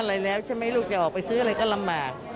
อะไรแล้วใช่ไหมลูกจะออกไปซื้ออะไรก็ลำบาก